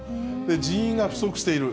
人員が不足している。